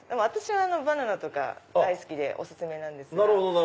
私はバナナとか大好きでお薦めなんですが。